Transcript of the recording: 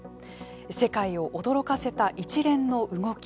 世界を驚かせた一連の動き。